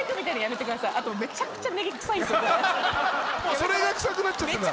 それが臭くなっちゃってんだ。